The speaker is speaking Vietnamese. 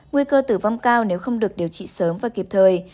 nguy cơ tử vong cao nếu không được điều trị sớm và kịp thời